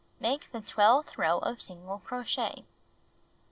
Make the twelfth row of single crochet.